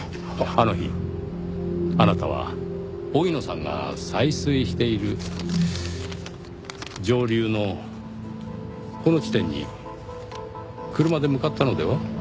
あの日あなたは荻野さんが採水している上流のこの地点に車で向かったのでは？